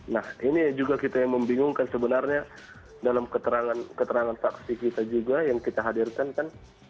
nah ini juga kita yang membingungkan sebenarnya dalam keterangan saksi kita juga yang kita hadirkan kan